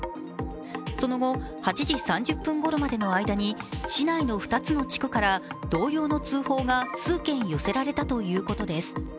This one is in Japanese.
その後、８時３０分ごろまでの間に市内の２つの地区から同様の通報が数件寄せられたということです。